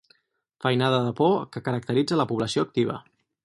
Feinada de por que caracteritza la població activa.